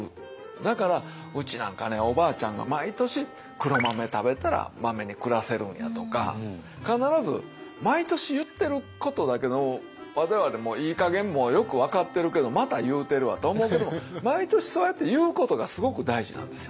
だからうちなんかねおばあちゃんが毎年黒豆食べたらマメに暮らせるんやとか必ず毎年言ってることだけども我々もいいかげんもうよく分かってるけどまた言うてるわと思うけども毎年そうやって言うことがすごく大事なんですよ。